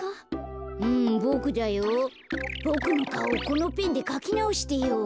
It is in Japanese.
ボクのかおこのペンでかきなおしてよ。